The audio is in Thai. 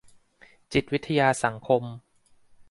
จิตวิทยาสังคม